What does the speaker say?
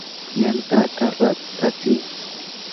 yantata ratatsi.